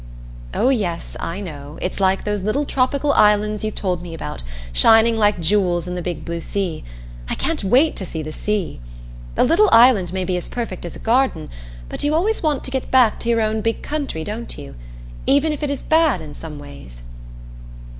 "Oh, yes I know. It's like those little tropical islands you've told me about, shining like jewels in the big blue sea I can't wait to see the sea! The little island may be as perfect as a garden, but you always want to get back to your own big country, don't you? Even if it is bad in some ways?"